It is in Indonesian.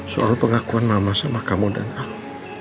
soal pengakuan mama sama kamu dan ahok